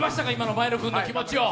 前野君の気持ちを。